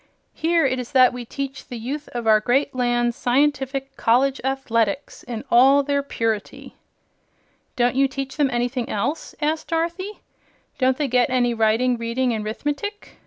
"Here it is that we teach the youth of our great land scientific College Athletics in all their purity." "Don't you teach them anything else?" asked Dorothy. "Don't they get any reading, writing and 'rithmetic?"